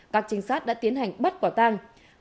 các trinh sát đã tiến hành bắt quả tăng